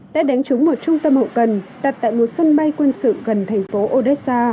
đã đánh trúng một trung tâm hậu cần đặt tại một sân bay quân sự gần thành phố odessa